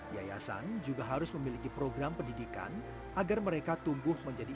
yayasan juga harus memiliki program pendidikan agar mereka tumbuh menjadi